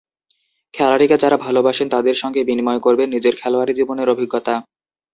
খেলাটিকে যাঁরা ভালোবাসেন, তাদের সঙ্গে বিনিময় করবেন নিজের খেলোয়াড়ি জীবনের অভিজ্ঞতা।